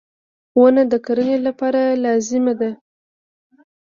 • ونه د کرنې لپاره لازمي ده.